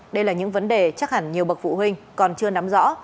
đây là những vấn đề chắc hẳn nhiều bậc phụ huynh còn chưa nắm rõ